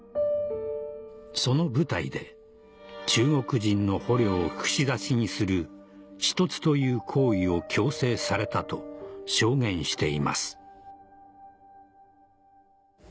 その部隊で中国人の捕虜を串刺しにする刺突という行為を強制されたと証言しています